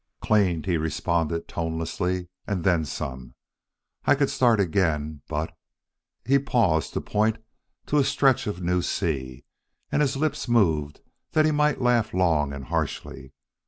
"Cleaned," he responded tonelessly; "and then some! And I could start again, but " He paused to point to the stretch of new sea, and his lips moved that he might laugh long and harshly.